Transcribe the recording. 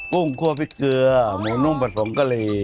ุ้งคั่วพริกเกลือหมูนุ่มผงกะหรี่